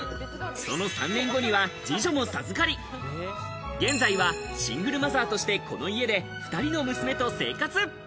その３年後には二女も授かり、現在はシングルマザーとして、この家で２人の娘と生活。